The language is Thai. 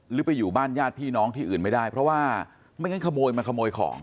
ไปอยู่บ้านญาติพี่น้องที่อื่นไม่ได้เพราะว่าไม่งั้นขโมยมาขโมยของ